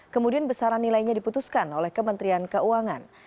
kemudian besaran nilainya diputuskan oleh kementerian keuangan